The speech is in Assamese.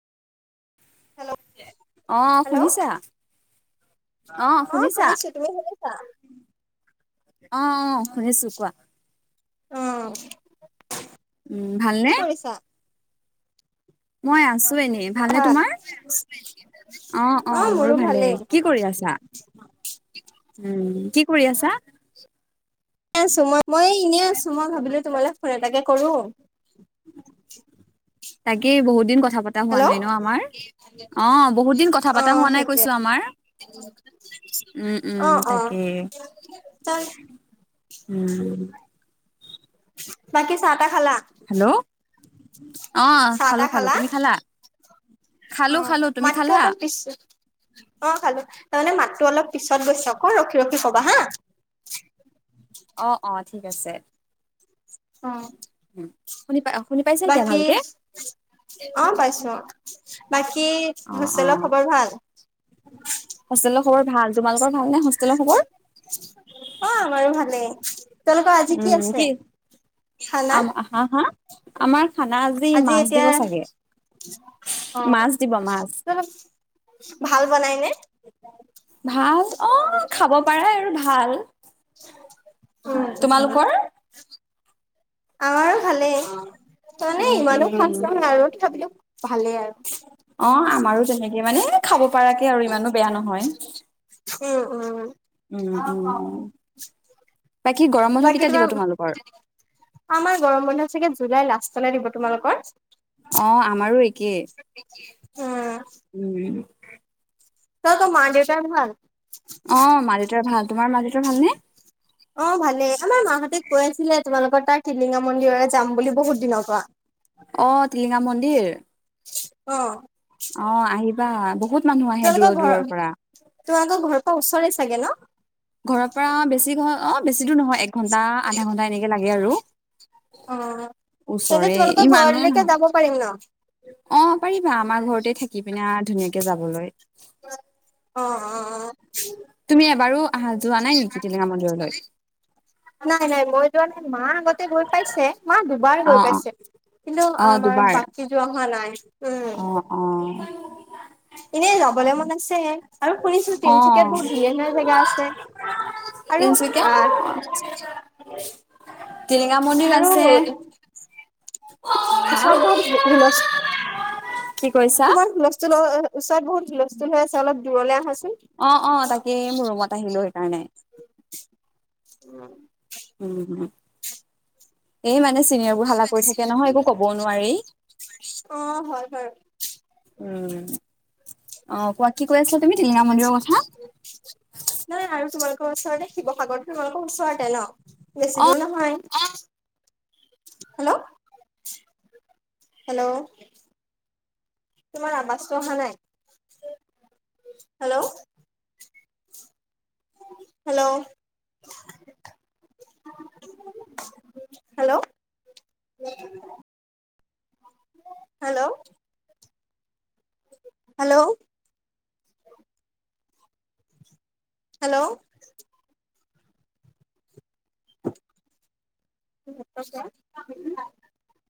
হেল্ল' অ হেল্ল' শুনিছা অহ অ শুনিছা শুনিছো তুমি শুনিছা অ অ শুনিছো কোৱা উম উম কি ভালনে কৰিছা মই আছো এনেই ভালনে ভাল তোমাৰ অ অ মোৰো ভালেই কি কৰি আছা উম কি কৰি আছা এনে আছো মই মই এনেই আছো মই ভাবিলো তোমালে ফোন এটাকে কৰো তাকে বহুত দিন কথা কথা পতা হোৱা হেল্ল' নাই ন আমাৰ অ বহুত দিন কথা অ পতা হোৱা নাই সেইটোৱে কৈছো আমাৰ উম অ উম অ তাকে তাৰ উম বাকী চাহ টাহ খালা হেল্ল' অ চাহ খালো তাহ খালো তুমি খালা অ খালো খালো তুমি মাতটো খালা অকন পিছ অ খালো তাৰমানে মাতটো অলপ পিছত গৈছে ৰখি ৰখি কবা হা অ অ ঠিক আছে অ উম শুনি পাই শুনি পাইছা এতিয়া বাকী ভালকে অ পাইছো অ বাকী অ অ হুচেলৰ খবৰ ভাল হোষ্টেলৰ খবৰ ভাল তোমালোকৰ ভাল নে হোষ্টেলৰ খবৰ ভালে উম কি খানাত হা হা আমাৰ খানা আজি মাছ দিব চাগে অ মাছ দিব মাছ অলপ ভাল বনাই নে ভাল অ খাব পাৰাই আৰু ভাল উম তোমালোকৰ আমাৰো ভালেই মানে উম উম ইমানো খাজ উম নহয় আৰু তথাপি ভালেই আৰু অ আমাৰো তেনেকে মানে খাব পৰাকে আৰু ইমানো বেয়া নহয় উম উম উম উম বাকী গৰম বন্ধ বাকী কেতিয়া দিব তোমাৰ তোমালোকৰ আমাৰ গৰম বন্ধ চাগে জুলাই লাষ্টলৈ দিব তোমালোকৰ কে উম তহতৰ মা-দেউতা ভাল অ মা দেউতাৰ ভাল তোমাৰ মা দেউতাৰ ভালনে অ ভালেই আমাৰ মা হঁতে কৈ আছে আছিলে তোমালোক ঙা মন্দিৰলে যাম বুলি বহুত দিনৰ পৰা অ টিলিঙা মন্দিৰ অ'। অ আহিবা বহুত মানুহ আহে দূৰৰ তোমালোকৰ ঘৰ দূৰৰ পৰা তোমালোকৰ ঘৰৰ পৰা ওচৰে চাগে ন? ঘৰৰ পৰা বেছি ঘ অ বেছি দূৰ নহয় এক ঘন্টা আধা ঘণ্টা এনেকে লাগে আৰু। অ', তেন্তে ওচৰে তোমালোকৰ ইমানো ঘৰলৈকে নহয় যাব পাৰিম ন? অ' পাৰি। আমাৰ ঘৰতে থাকি পিনে ধুনীয়াকে যাবলৈ অ', অ', অ'। তুমি এবাৰো অহা যোৱা নাই নেকি টিলিঙকা মন্দিৰলৈ নাই নাই মই যোৱা নাই মা আগতে গৈ পাইছে মা দুবাৰ অ গৈ অ পাইছে। কিন্তু অ আমাৰ দুবাৰ বাকী যোৱা হোৱা নাই উম অ', অ'। এনেই যাবলৈ মন আছে অ আৰু শুনিছো তিনিচুকীয়াত বহুত তিনচুকীয়া ধুনীয়া ধুনীয়া জেগা টিলিঙা মন্দিৰ আছে। আৰু আহ হা আৰু [unintelligible] কি কৈছা তোমাৰ হুলস্থুল ওচৰত বহুত হুলস্থুল হৈ আছে অলপ দূৰলে আহাচোন। অ অ তাকেই মোৰ ৰুমত আহিলো সেইকাৰণে উম। উম হম এই মানে চিনিয়ৰবোৰ হালা কৰি থাকে নহয় একো ক'বও নোৱাৰি অ হয় বাৰু উম। আহ কোৱা কি কৈ আছা তুমি টিলিঙা মন্দিৰৰ নাই কথা আৰু তোমালোকৰ ওচৰতে শিৱসাগৰতোমালোকৰ ওচৰতে ন অ বেছি দূৰ নহয়। হেল্ল' হেল্ল' তোমাৰ আৱাস চ অহা নাই। Hello hello hello hello hello hello [inaudible]